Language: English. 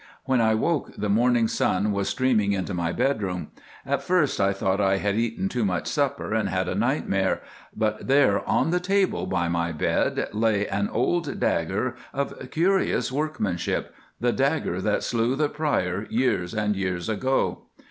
When I woke the morning sun was streaming into my bedroom. At first I thought I had eaten too much supper and had a nightmare, but there on the table by my bed lay an old dagger of curious workmanship—the dagger that slew the Prior years and years ago.